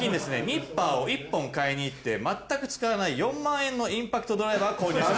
ニッパーを１本買いに行って全く使わない４万円のインパクトドライバーを購入した。